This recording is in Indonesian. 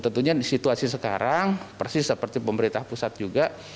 tentunya di situasi sekarang persis seperti pemerintah pusat juga